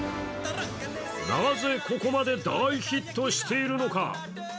なぜここまで大ヒットしているのか。